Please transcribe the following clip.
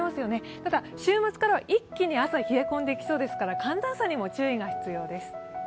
ただ、週末からは一気に朝、冷え込んできそうですから寒暖差にも注意が必要です。